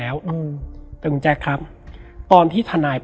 แล้วสักครั้งหนึ่งเขารู้สึกอึดอัดที่หน้าอก